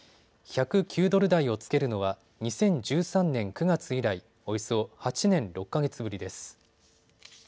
１０９ドル台をつけるのは２０１３年９月以来およそ８年６か月ぶりです。